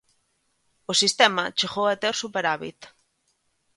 O sistema chegou a ter superávit.